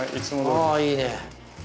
あいいね！